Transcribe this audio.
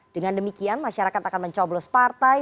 dengan demikian masyarakat akan mencoblos partai